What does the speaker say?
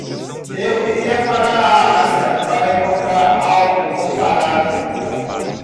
Eu iria para a Ásia para encontrar algo comparável.